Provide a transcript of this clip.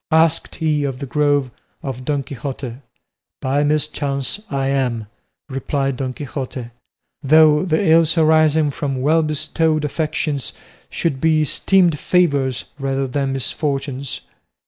asked he of the Grove of Don Quixote. "By mischance I am," replied Don Quixote; "though the ills arising from well bestowed affections should be esteemed favours rather than misfortunes."